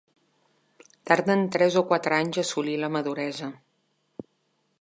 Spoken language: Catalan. Tarden tres o quatre anys a assolir la maduresa.